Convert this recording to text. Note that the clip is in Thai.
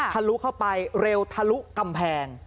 ลุเข้าไปเร็วทะลุกำแพง